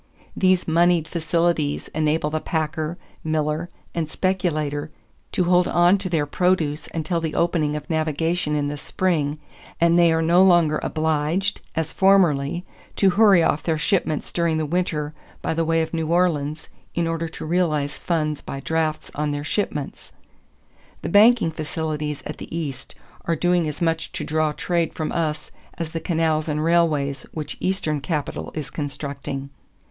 These moneyed facilities enable the packer, miller, and speculator to hold on to their produce until the opening of navigation in the spring and they are no longer obliged, as formerly, to hurry off their shipments during the winter by the way of New Orleans in order to realize funds by drafts on their shipments. The banking facilities at the East are doing as much to draw trade from us as the canals and railways which Eastern capital is constructing."